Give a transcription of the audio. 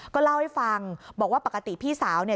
ก็เล่าให้ฟังบอกว่าปกติพี่สาวเนี่ย